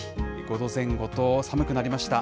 ５度前後と寒くなりました。